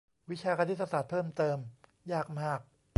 วิชาคณิตศาสตร์เพิ่มเติมยากมาก